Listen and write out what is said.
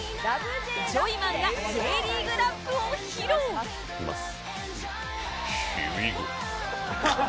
ジョイマンが Ｊ リーグラップを披露いきます。